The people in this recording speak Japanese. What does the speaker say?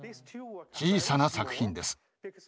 小さな作品です。